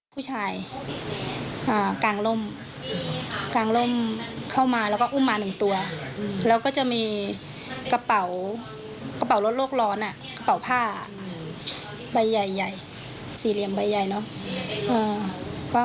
ผู้ชายกางร่มกางร่มเข้ามาแล้วก็อุ้มมา๑ตัวแล้วก็จะมีกระเป๋ารถโลกร้อนกระเป๋าผ้าใบใหญ่สี่เหลี่ยมใบใหญ่เนอะ